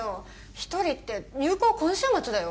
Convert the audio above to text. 一人って入稿今週末だよ